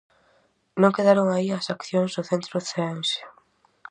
Non quedaron aí as accións do centro ceense.